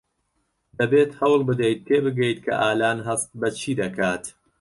دەبێت هەوڵ بدەیت تێبگەیت کە ئالان هەست بە چی دەکات.